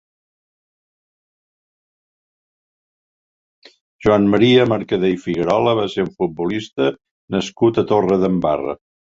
Joan Maria Mercadé i Figuerola va ser un futbolista nascut a Torredembarra.